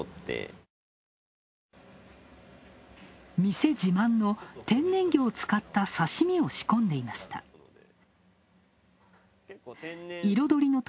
店自慢の天然魚を使った刺身を仕込んでいました。